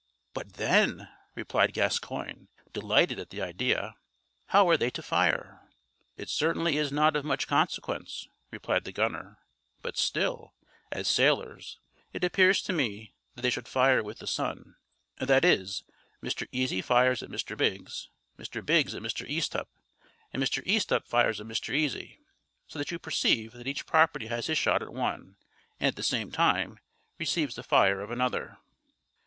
"But then," replied Gascoigne, delighted at the idea, "how are they to fire?" "It certainly is not of much consequence," replied the gunner; "but still, as sailors, it appears to me that they should fire with the sun; that is, Mr. Easy fires at Mr. Biggs, Mr. Biggs at Mr. Easthupp, and Mr. Easthupp fires at Mr. Easy, so that you perceive that each party has his shot at one, and at the same time receives the fire of another."